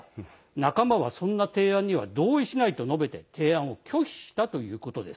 仲間は、そんな提案には同意しないと述べて提案を拒否したということです。